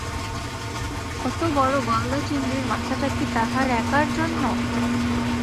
অত বড় গলদা চিংড়ির মাথাটা কি তাহার একার জন্য?